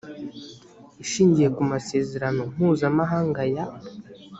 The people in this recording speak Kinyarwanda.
ishingiye ku masezerano mpuzamahanga ya